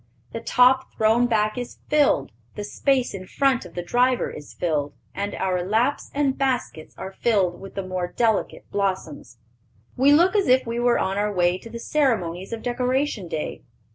The top thrown back is filled, the space in front of the driver is filled, and our laps and baskets are filled with the more delicate blossoms. We look as if we were on our way to the ceremonies of Decoration Day.